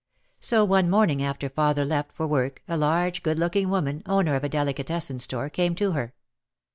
So one morning after father left for work a large good looking woman, owner of a delicates sen store, came for her.